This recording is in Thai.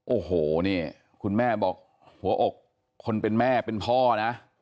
โอ้โหนี่คุณแม่บอกหัวอกคนเป็นแม่เป็นพ่อนะ